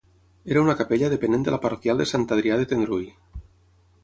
Era una capella depenent de la parroquial de Sant Adrià de Tendrui.